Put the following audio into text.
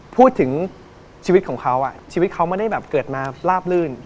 พูดถึงชีวิตของเขาชีวิตเขาไม่ได้แบบเกิดมาลาบลื่น